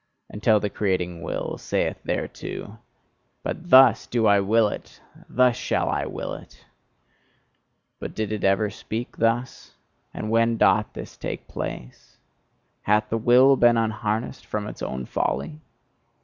Until the creating Will saith thereto: "But thus do I will it! Thus shall I will it!" But did it ever speak thus? And when doth this take place? Hath the Will been unharnessed from its own folly?